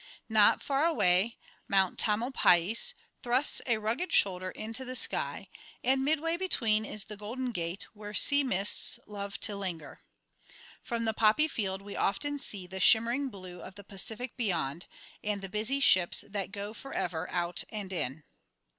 Not far away, Mount Tamalpais thrusts a rugged shoulder into the sky; and midway between is the Golden Gate, where sea mists love to linger. From the poppy field we often see the shimmering blue of the Pacific beyond, and the busy ships that go for ever out and in.